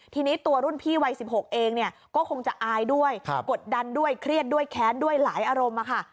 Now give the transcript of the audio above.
ทีนี้ตัวรุ่นพี่วัย๑๖เองเนี่ยก็คงจะอายด้วยกดดันด้วยเครียดด้วยแค้นด้วยหลายอารมณ์ค่ะ